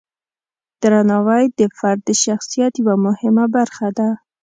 درناوی د فرد د شخصیت یوه مهمه برخه ده.